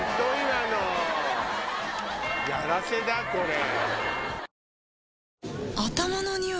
今のやらせだこれ。